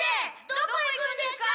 どこ行くんですか？